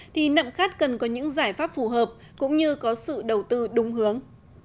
thì nầm khắt cần có những giải pháp phù hợp cũng như có sự đầu tư đúng hướng